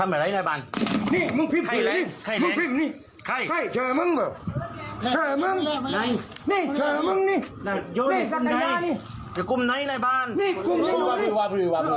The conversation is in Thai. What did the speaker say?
เอาหน้าบ้านทำอ่ะ